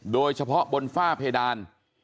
โดยเฉพาะบนฝ้าเพดาน